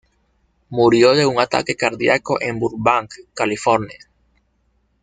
Murió de un ataque cardíaco en Burbank, California.